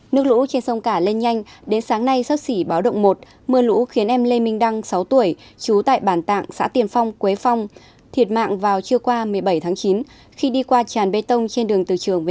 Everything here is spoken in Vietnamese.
nước lũ trên sông cả lên nhanh đến sáng nay sắp xỉ báo động một mưa lũ khiến em lê minh đăng sáu tuổi trú tại bản tạng xã tiền phong quế phong thiệt mạng vào trưa qua một mươi bảy tháng chín